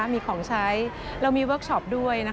มีของใช้เรามีเวิร์คชอปด้วย